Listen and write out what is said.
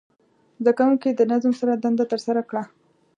زده کوونکي د نظم سره دنده ترسره کړه.